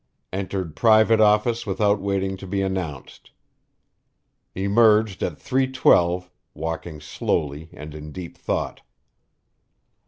Entered private office without waiting to be announced. Emerged at 3:12, walking slowly and in deep thought.